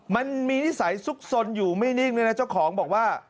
นิสัยซุกซนอยู่ไม่นิ่งด้วยนะเจ้าของบอกว่า